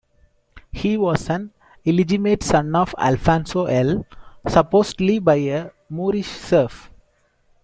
He was an illegitimate son of Alfonso I, supposedly by a Moorish serf.